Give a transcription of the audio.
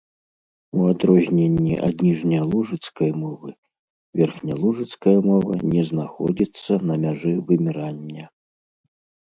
У адрозненні ад ніжнялужыцкай мовы верхнялужыцкая мова не знаходзіцца на мяжы вымірання.